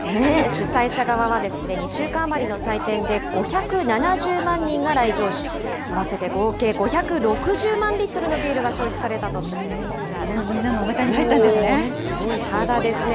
主催者側は、２週間余りの祭典で５７０万人が来場し、合わせて合計５６０万リットルのビールすごい、みんなのおなかに入すごい人ですね。